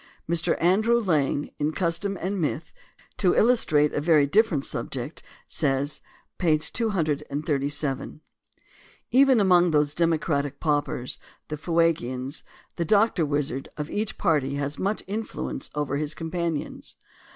Mr. Andrew Lang, in Custom and Myth, to illustrate a very different subject, says (page 237) : Even among those democratic paupers, the Fuegians, "the doctor wizard of each party has much influence over his com panions."